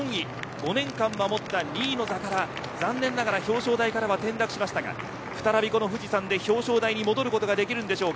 ５年間守った２位の座から残念ながら表彰台からは転落しましたが再びこの富士山で表彰台に戻ることができるんでしょうか。